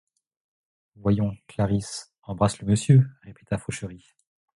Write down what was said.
Voyons, Clarisse, embrasse le monsieur, répéta Fauchery.